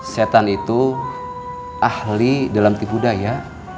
setan itu ahli dalam tipu daya